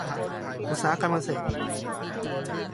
อุตสาหกรรมเกษตร